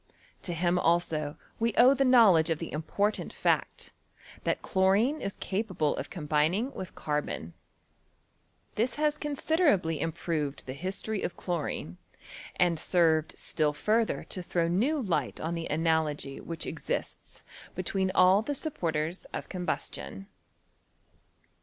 To him also we owe the knowledge of the important fact, that chlorine is capable of combining with carbon. This has con siderably improved the history of chlorine and served still further to throw new light on the analogy which exists between all the supporters of combustion.